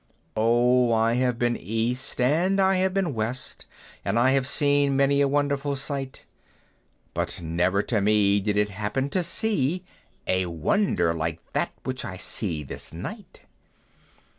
"Oh! I have been east, and I have been west, And I have seen many a wonderful sight; But never to me did it happen to see A wonder like that which I see this night!